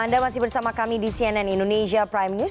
anda masih bersama kami di cnn indonesia prime news